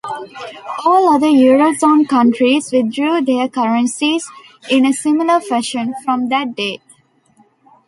All other eurozone countries withdrew their currencies in a similar fashion, from that date.